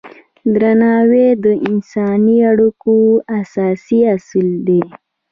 درناوی د انساني اړیکو اساسي اصل دی.